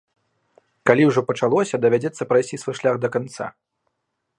Калі ўжо пачалося, давядзецца прайсці свой шлях да канца.